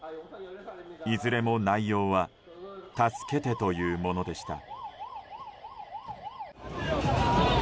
いずれも内容は助けてというものでした。